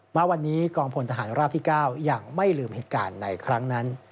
มาวันนี้กองพลทหารราบที่๙ยังไม่ลืมเหตุการณ์ในครั้งนั้น